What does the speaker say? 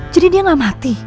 jadi dia gak mati